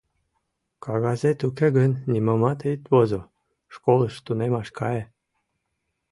Кагазет уке гын, нимомат ит возо, школыш тунемаш кае...